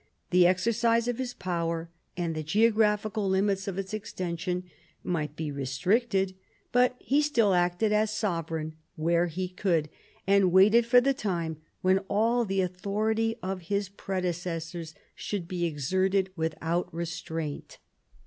The exercise of his power and the geographical limits of its extension might be restricted, but he still acted as sovereign where he could, and waited for the time when all the authority of his pre decessors should be exerted without restraint.